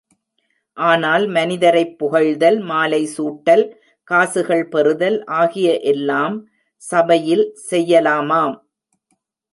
ஆனால் மனிதரைப் புகழ்தல், மாலை சூட்டல், காசுகள் பெறுதல் ஆகிய எல்லாம் சபையில் செய்யலாமாம்.